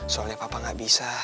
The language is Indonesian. soalnya papa enggak bisa